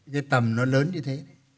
cái tầm nó lớn như thế